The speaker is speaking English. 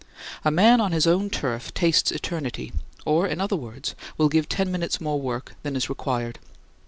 A man on his own turf tastes eternity or, in other words, will give ten minutes more work than is required.